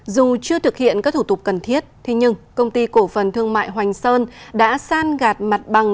dù chưa thực hiện các thủ tục cần thiết nhưng công ty cổ phần thương mại hoành sơn đã san gạt mặt bằng